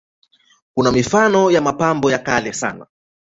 Kuna mifano ya mapambo ya kale sana.